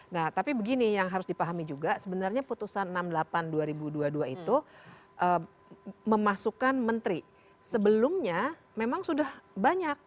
nah tapi begini yang harus dipahami juga sebenarnya putusan enam puluh delapan dua ribu dua puluh dua itu memasukkan menteri sebelumnya memang sudah banyak